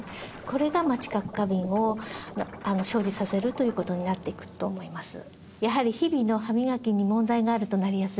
これが知覚過敏を生じさせるということになっていくと思います